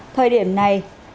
thời điểm này